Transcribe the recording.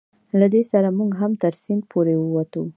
له دې سره موږ هم تر سیند پورې وتو.